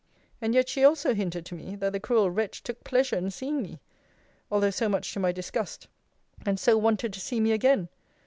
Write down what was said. And yet she also hinted to me, that the cruel wretch took pleasure in seeing me; although so much to my disgust and so wanted to see me again.